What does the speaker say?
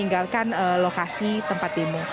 tinggalkan lokasi tempat demo